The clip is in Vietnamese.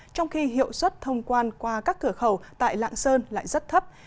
trong khi hiệu suất thông quan qua các cửa khẩu tại lạng sơn lại rất thấp